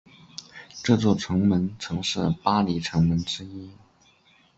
这座城门曾是巴黎城门之一。